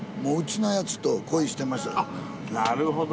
あっなるほど。